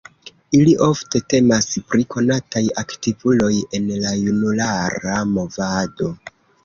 Ili ofte temas pri konataj aktivuloj en la junulara movado.